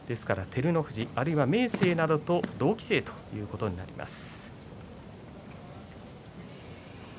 照ノ富士、明生などと同期生ということになります。